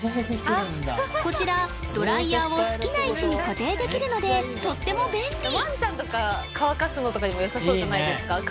こちらドライヤーを好きな位置に固定できるのでとっても便利ワンちゃんとか乾かすのとかにもよさそうじゃないですか？